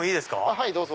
はいどうぞ。